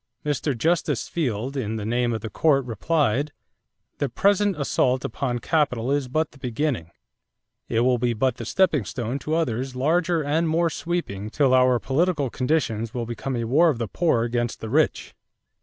Mr. Justice Field in the name of the Court replied: "The present assault upon capital is but the beginning. It will be but the stepping stone to others larger and more sweeping till our political conditions will become a war of the poor against the rich."